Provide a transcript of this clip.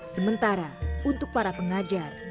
sementara untuk para pengajar